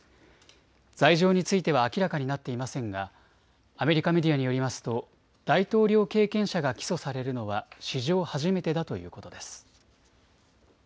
罪状については明らかになっていませんがアメリカメディアによりますと大統領経験者が起訴されるのは史上初めてだということです。